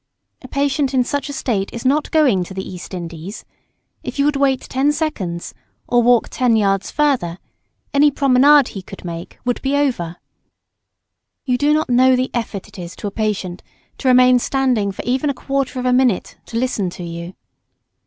A patient in such a state is not going to the East Indies. If you would wait ten seconds, or walk ten yards further, any promenade he could make would be over. You do not know the effort it is to a patient to remain standing for even a quarter of a minute to listen to you.